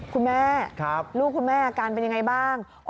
คุณแม่ลูกคุณแม่อาการเป็นยังไงบ้าง